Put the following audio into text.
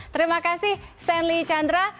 terima kasih stanley chandra